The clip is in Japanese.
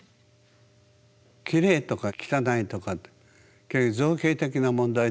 きれいとか汚いとかって結局造形的な問題でしょ。